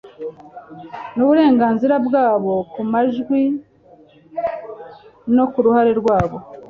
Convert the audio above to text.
n uburenganzira bwabo ku majwi no ku ruhare rwabo